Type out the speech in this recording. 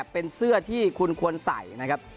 เป็นเสื้อที่คุณควรใส่นะครับ